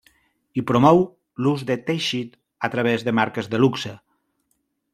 I promou l'ús del teixit a través de marques de luxe.